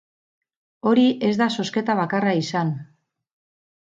Hori ez da zozketa bakarra izan.